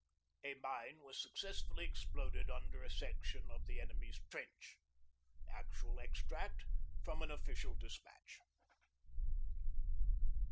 a mine was successfully exploded under a section of the enemy's trench. ..._' ACTUAL EXTRACT FROM AN OFFICIAL DESPATCH.